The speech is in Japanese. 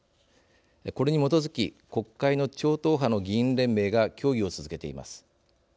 これに基づき国会の超党派の議員連盟が協議を続けています。